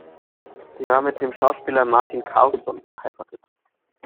Sie war mit dem Schauspieler Martin Karlson verheiratet.